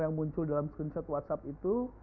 yang muncul dalam screenshot whatsapp itu